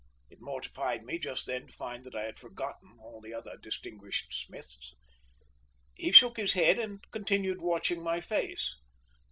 It mortified me just then to find that I had forgotten all the other distinguished Smiths. He shook his head, and continued watching my face.